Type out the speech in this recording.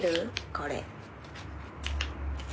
これ。